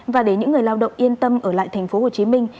và để những người lao động yên tâm ở lại thành phố hồ chí minh